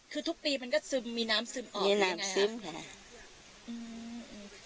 คือทุกปีมันก็ซึมมีน้ำซึมออก